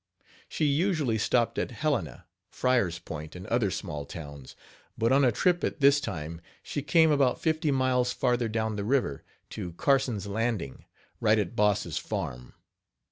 She usually stopped at Helena, Fryer's Point and other small towns; but on a trip at this time she came about fifty miles farther down the river, to Carson's Landing, right at Boss' farm.